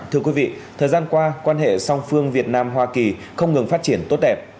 thưa quý vị thời gian qua quan hệ song phương việt nam hoa kỳ không ngừng phát triển tốt đẹp